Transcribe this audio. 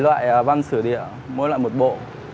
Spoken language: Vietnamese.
là tài liệu phao thi siêu nhỏ